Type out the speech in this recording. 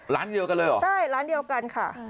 ร้านเดียวกันเลยเหรอก็เลยค่ะ